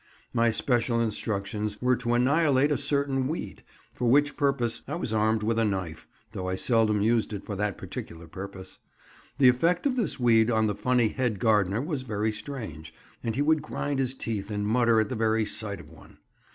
My special instructions were to annihilate a certain weed, for which purpose I was armed with a knife, though I seldom used it for that particular purpose. The effect of this weed on the funny head gardener was very strange, and he would grind his teeth and mutter at the very sight of one.